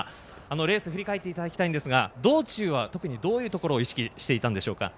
レース振り返っていただきたいんですが道中は特にどういうところを意識していたんでしょうか？